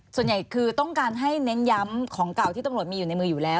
ส่วนใหญ่คือต้องการให้เน้นย้ำของเก่าที่ตำรวจมีอยู่ในมืออยู่แล้ว